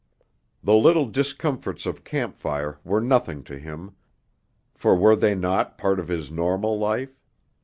The little discomforts of camp life were nothing to him, for were they not part of his normal life?